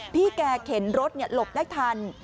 พี่แกเข็นรถหลบได้ทัน